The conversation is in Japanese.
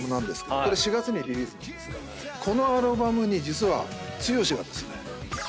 これ４月にリリースなんですがこのアルバムに実は。